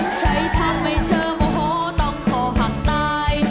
ใครทำให้เธอโมโหต้องคอหักตาย